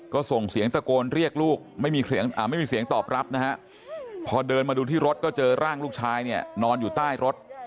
ก็ส่งเสียงตะโกนเรียกลูกไม่มีเสียงตอบรับนะฮะพอเดินมาดูที่รถก็เจอร่างลูกชายเนี่ยนอนอยู่ใต้รถ